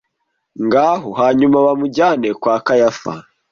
ngaho Hanyuma bamujyane kwa Kayafa